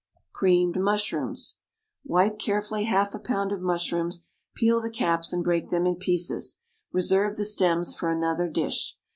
=Creamed Mushrooms.= Wipe carefully half a pound of mushrooms; peel the caps and break them in pieces. Reserve the stems for another dish.